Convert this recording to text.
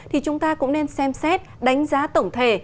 thì chúng ta cũng nên xem xét đánh giá tổng thể